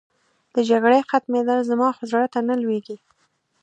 د جګړې ختمېدل، زما خو زړه ته نه لوېږي.